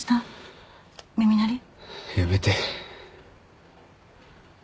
やめて。